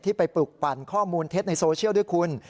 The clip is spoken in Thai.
ไปปลุกปั่นข้อมูลเท็จในโซเชียลด้วยคุณ